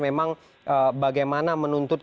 memang bagaimana menuntut